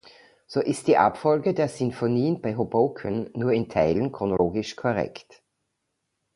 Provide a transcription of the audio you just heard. So ist die Abfolge der Sinfonien bei Hoboken nur in Teilen chronologisch korrekt.